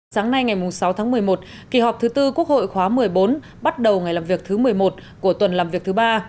sáng nay ngày sáu tháng một mươi một kỳ họp thứ tư quốc hội khóa một mươi bốn bắt đầu ngày làm việc thứ một mươi một của tuần làm việc thứ ba